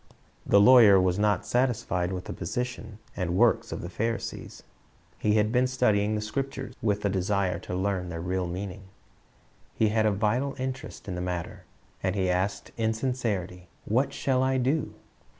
The lawyer was not satisfied with the position c^id works of the Pharisees. He had been studying the Scriptures with a desire to learn their real meaning. He had a vital interest in the matter, and he asked in sincerity, "What shall I do?"